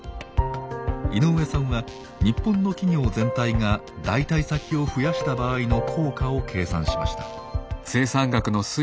井上さんは日本の企業全体が代替先を増やした場合の効果を計算しました。